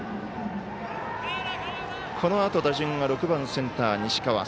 このあと、打順が６番、センター西川。